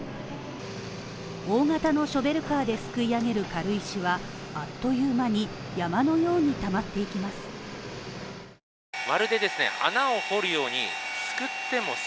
大型のショベルカーですくい上げる軽石はあっという間に山のようにたまっていきます。